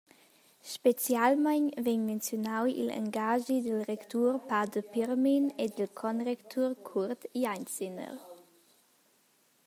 Specialmein vegn menziunau igl engaschi dil rectur pader Pirmin e dil concrectur Kurt Jeitziner.